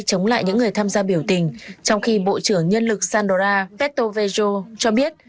chống lại những người tham gia biểu tình trong khi bộ trưởng nhân lực sandora petrovejo cho biết